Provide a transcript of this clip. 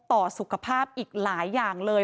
ต่อสุขภาพอีกหลายอย่างเลย